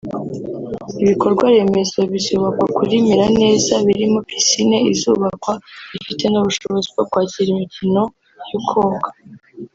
ibikorwa remezo bizubakwa kuri Meraneza birimo pisine izahubakwa ifite ubushobozi bwo kwakira imikino yo koga